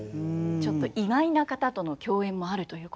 ちょっと意外な方との共演もあるということで。